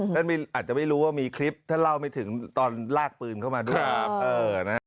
อาจจะไม่รู้ว่ามีคลิปท่านเล่าไม่ถึงตอนลากปืนเข้ามาด้วย